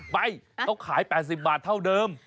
ไปเขาขาย๘๐บาทเท่าเดิม